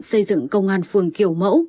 xây dựng công an phường kiểu mẫu